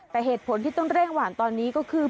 แต่เหตุผลที่ต้องเร่งหวานตอนนี้ก็คือ